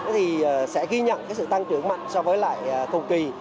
thì sẽ ghi nhận cái sự tăng trưởng mạnh so với lại thùng kỳ